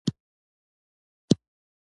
وسیم خان په شلو آورونو بازيو کښي ګټور وو.